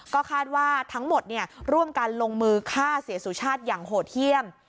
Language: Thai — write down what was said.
ก็คาดว่าทั้งหมดร่วมกันลงมือฆ่าเสียสุชาติอย่างโหดเยี่ยม